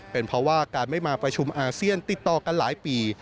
เป็นเพราะว่าการไม่มาประชุมอาเซียนติดต่อกันหลายปี